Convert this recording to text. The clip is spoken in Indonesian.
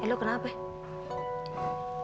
eh lo kenapa ya